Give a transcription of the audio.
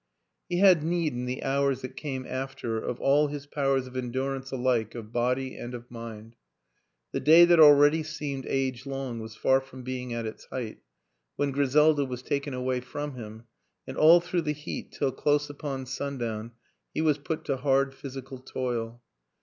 He had need in the hours that came after of all his powers of endurance alike of body and of mind. The day that already seemed age long was far from being at its height when Griselda was taken away from him and all through the heat till close upon sundown he was put to hard physical toil.